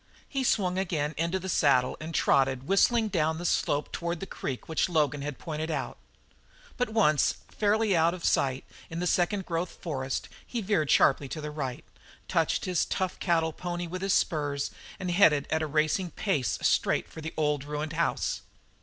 He swung again into the saddle and trotted whistling down the slope toward the creek which Logan had pointed out. But once fairly out of sight in the second growth forest, he veered sharply to the right, touched his tough cattle pony with the spurs, and headed at a racing pace straight for the old ruined house.